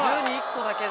１２１個だけだ。